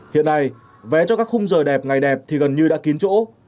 hiện nay vé cho các khung giờ đẹp ngày đẹp thì gần như đã kín chỗ